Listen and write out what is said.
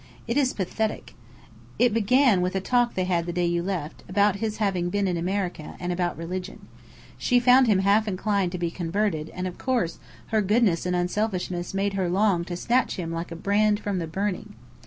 It is pathetic. It began with a talk they had the day you left, about his having been in America, and about religion. She found him half inclined to be converted, and of course, her goodness and unselfishness made her long to snatch him like a brand from the burning.